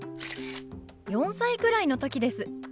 ４歳くらいの時です。